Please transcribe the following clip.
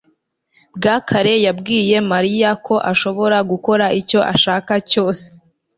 bakware yabwiye mariya ko ashobora gukora icyo ashaka cyose